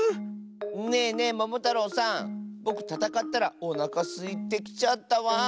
ねえねえももたろうさんぼくたたかったらおなかすいてきちゃったワン。